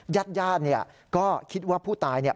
ญาติญาติเนี่ยก็คิดว่าผู้ตายเนี่ย